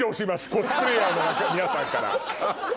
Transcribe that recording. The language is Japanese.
コスプレイヤーの皆さんから。